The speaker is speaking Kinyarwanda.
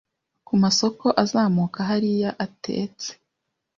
Ku masoko azamuka hariya atetse